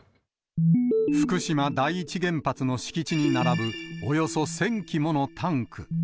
福島第一原発の敷地に並ぶおよそ１０００基ものタンク。